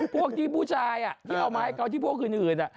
พวกนี้ผู้ชายที่เอาไม้เขาที่พวกอื่นอ่ะ